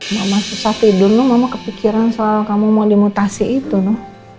mama susah tidur ma mama kepikiran soal kamu mau dimutasi itu ma